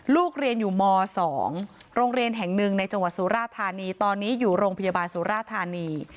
ลูกเรียนอยู่ม๒โรงเรียนแห่งหนึ่งในจังหวัดสุราธานีตอนนี้อยู่โรงพยาบาลสุราธานี